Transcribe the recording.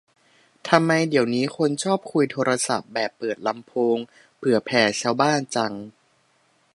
ทำไมเดี๋ยวนี้คนชอบคุยโทรศัพท์แบบเปิดลำโพงเผื่อแผ่ชาวบ้านจัง